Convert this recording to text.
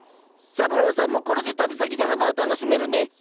三郎さんもこれで旅先で花を楽しめるね。